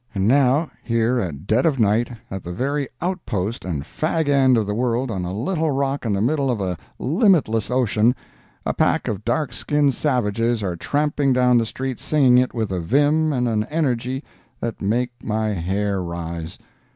And now, here at dead of night, at the very outpost and fag end of the world on a little rock in the middle of a limitless ocean, a pack of dark skinned savages are tramping down the street singing it with a vim and an energy that make my hair rise!